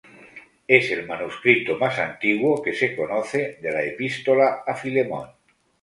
Es el manuscrito más antiguo que se conoce de la Epístola a Filemón.